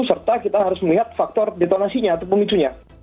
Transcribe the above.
serta kita harus melihat faktor ditonasinya atau pemicunya